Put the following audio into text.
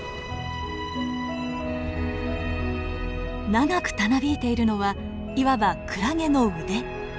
長くたなびいているのはいわばクラゲの腕。